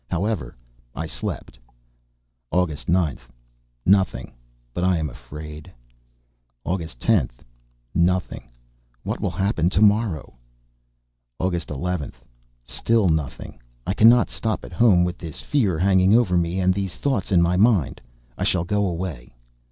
However, I slept. August 9th. Nothing, but I am afraid. August 10th. Nothing; what will happen to morrow? August 11th. Still nothing; I cannot stop at home with this fear hanging over me and these thoughts in my mind; I shall go away.